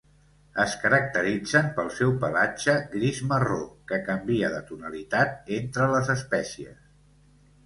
Es caracteritzen pel seu pelatge gris-marró, que canvia de tonalitat entre les espècies.